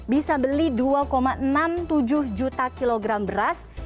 bisa beli dua enam puluh tujuh juta kilogram beras